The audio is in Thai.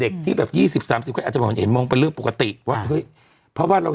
คุณแม่ครับไว้พระไว้จ้า